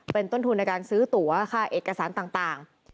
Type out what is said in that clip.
เป็นต้นทุนในการซื้อตัวค่าเอกสารต่าง